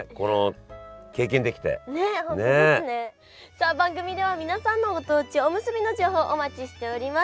さあ番組では皆さんのご当地おむすびの情報をお待ちしております！